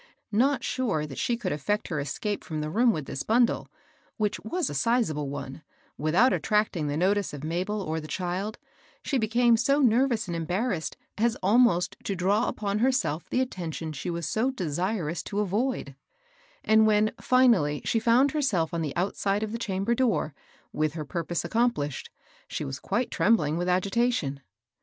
Not sure that she could effect her escape &om the room with this bundle, — which was a sizable one, — without attracting the notice of Mabel or the child, she became so nervous and embarrassed as almost to draw upon herself the attention she was so desirous to avoid ; and when, finally, she found herself on the outside of the chamber door, with her purpose accomplished, she was quite trem bling with agitation.